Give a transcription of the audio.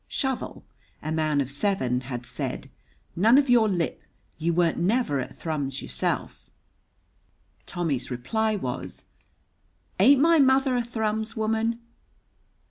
Shovel, a man of seven, had said, "None on your lip. You weren't never at Thrums yourself." Tommy's reply was, "Ain't my mother a Thrums woman?"